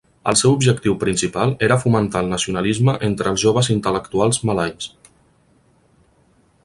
El seu objectiu principal era fomentar el nacionalisme entre els joves intel·lectuals malais.